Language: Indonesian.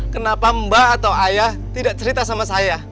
kenapa mbak atau ayah tidak cerita sama saya